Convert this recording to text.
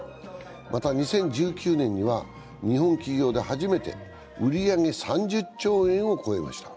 また２０１９年には、日本企業で初めて売り上げ３０兆円を超えました。